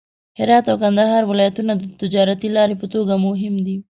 هرات او کندهار ولایتونه د تجارتي لارې په توګه مهم دي.